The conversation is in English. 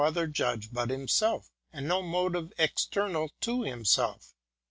other judge but himself, and no motive external to himself.